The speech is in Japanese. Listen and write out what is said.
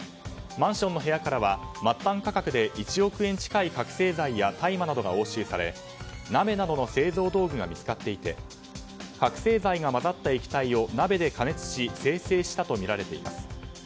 マンションの部屋からは末端価格で１億円近い覚醒剤や大麻などが押収され鍋などの製造道具が見つかっていて、覚醒剤が混ざった液体を鍋で加熱し精製したとみられています。